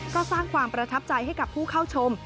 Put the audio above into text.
ก็สร้างความประทับใจให้กับผู้เข้าชม